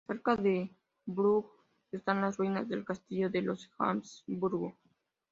Cerca de Brugg están las ruinas del castillo de los Habsburgo.